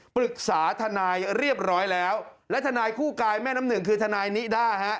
ปรึกษาทนายเรียบร้อยแล้วและทนายคู่กายแม่น้ำหนึ่งคือทนายนิด้าฮะ